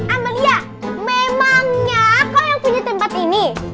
amelia memangnya kok yang punya tempat ini